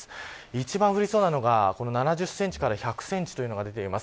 一番降りそうなのが７０センチから１００センチというのが出ています。